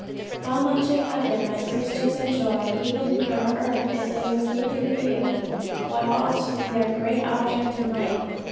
... "How much of heaven might Christians enjoy even here on earth if they would keep in view what ought to be their great object in life.